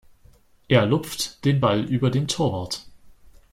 Er lupft den Ball über den Torwart.